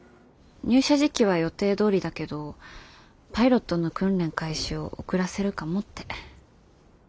入社時期は予定どおりだけどパイロットの訓練開始を遅らせるかもって。